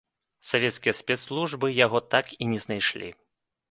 Савецкія спецслужбы яго так і не знайшлі.